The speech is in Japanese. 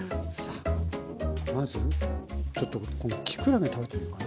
まずちょっとこのきくらげ食べてみようかな。